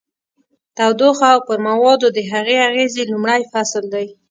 تودوخه او پر موادو د هغې اغیزې لومړی فصل دی.